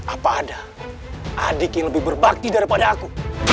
apa ada adik yang lebih berbakti daripada aku